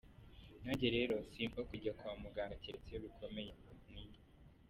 Nanjye rero simpfa kujya kwa muganga keretse iyo bikomeye, ni.